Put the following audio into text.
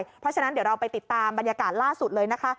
เพราะฉะนั้นเดี๋ยวเราไปติดตามบรรยากาศล่าสุดเลยนะคะ